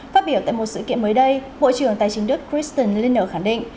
phát biểu tại một sự kiện mới đây bộ trưởng tài chính đức christian lindner khẳng định